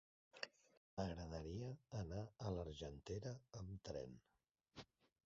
M'agradaria anar a l'Argentera amb tren.